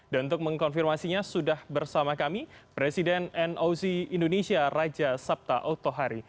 dan untuk mengkonfirmasinya sudah bersama kami presiden noc indonesia raja sabta ohtohari